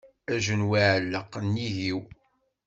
Ajenwi iεelleq nnig-iw.